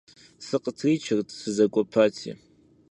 Сыкъытричырт, сызэгуэпати.